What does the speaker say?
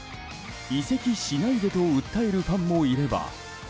移籍しないでと訴えるファンもいれば。